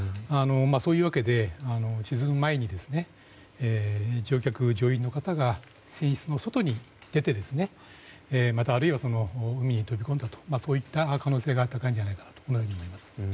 そういうわけで、沈む前に乗客・乗員の方が船室の外に出てまた、あるいは海に飛び込んだ可能性が高いんじゃないかと思います。